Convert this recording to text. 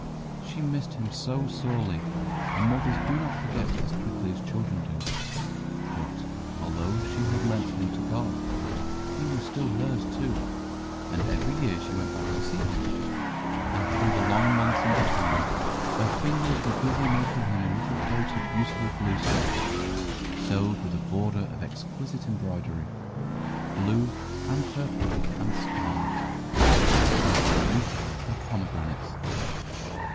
She missed him so sorely, and mothers do not forget as quickly as children do. But although she had lent him to God, he was still hers too; and every year she went back to see him, and through the long months in between, her fingers were busy making him a little coat of a beautiful blue stuff, sewed with a border of exquisite embroidery, blue and purple and scarlet, that was like a wreath of pomegranates.